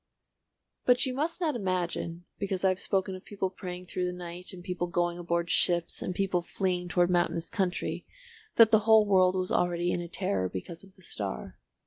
But you must not imagine because I have spoken of people praying through the night and people going aboard ships and people fleeing toward mountainous country that the whole world was already in a terror because of the star.